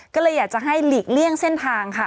ก็เลยอยากจะให้หลีกเลี่ยงเส้นทางค่ะ